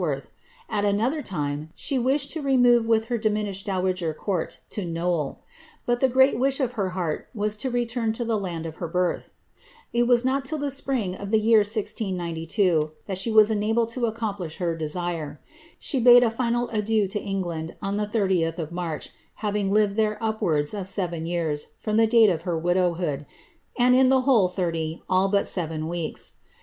<<worth ; at anotlier time, she wished to remove with her diminished dowager court to Knowle ; but the great wish of her heart was to return to the land of her birth. It was not till the spring of the year \Wl \hal ahe was enabled to accomplish her CATHARINB OF BRAOAlflA. 345 sire. She bade a final adieu to England on the 30th of March, having fed there npwarda of seven years from the date of her widowhood, and the whole thirty, all but seven weeks.